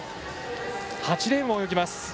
８レーンを泳ぎます。